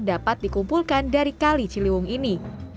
dapat dikumpulkan dari kali ciliwung ini